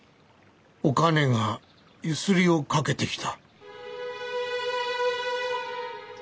お兼がゆすりをかけてきた。